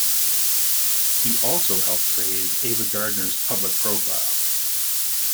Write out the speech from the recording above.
He also helped raise Ava Gardner's public profile.